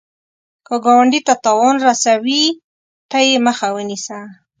که ګاونډي ته تاوان رسوي، ته یې مخه ونیسه